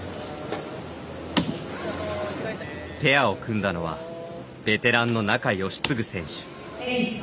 ペアを組んだのはベテランの仲喜嗣選手。